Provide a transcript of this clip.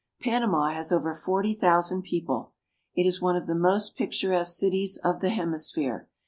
Panama has over forty thousand people. It is one of the most picturesque cities of the hemisphere.